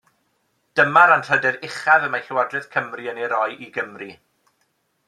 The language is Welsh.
Dyma'r anrhydedd uchaf y mae Llywodraeth Cymru yn ei roi i Gymry.